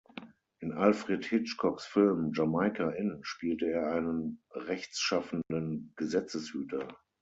In Alfred Hitchcocks Film „Jamaica Inn“ spielte er einen rechtschaffenen Gesetzeshüter.